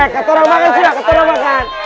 katorang makan sih lah katorang makan